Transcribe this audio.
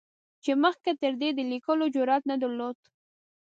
چې مخکې تر دې یې د لیکلو جرعت نه درلود.